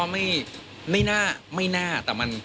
ไม่น่าไม่น่าแต่มัน